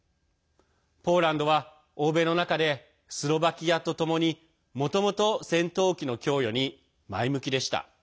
ポーランドは欧米の中でスロバキアと共にもともと戦闘機の供与に前向きでした。